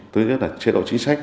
tức là chế độ chính sách